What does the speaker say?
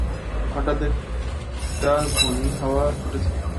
হঠাৎ একেকটা ঘূর্ণি হাওয়া উঠেছে।